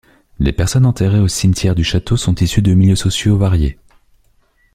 Les personnes enterrées au cimetière du château sont issues de milieux sociaux variés.